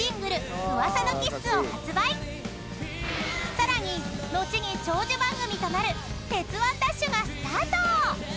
［さらに後に長寿番組となる『鉄腕！ＤＡＳＨ‼』がスタート］